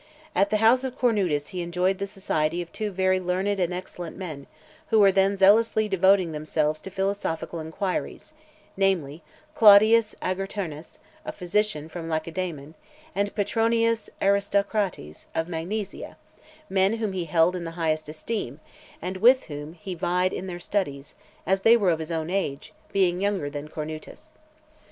At the house of Cornutus he enjoyed the society of two very learned and excellent men, who were then zealously devoting themselves to philosophical enquiries, namely, Claudius Agaternus, a physician from Lacedaemon, and Petronius Aristocrates, of Magnesia, men whom he held in the highest esteem, and with whom he vied in their studies, as they were of his own age, being younger than Cornutus.